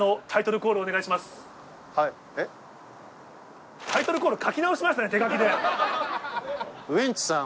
タイトルコール書き直しましたね手書きで。